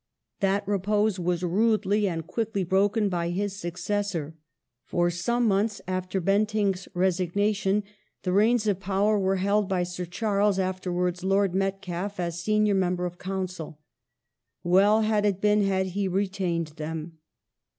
That repose was rudely and quickly broken by his successor. For some months after Bentinck's resig nation, the reins of power were held by Sir Charles (afterwards Lord) Metcalfe as senior member of Council. Well had it been had he retained them.